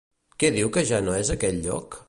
Què diu que ja no és aquell lloc?